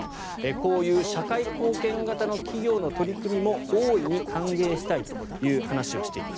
こういう社会貢献型の企業の取り組みも大いに歓迎したいと話しています。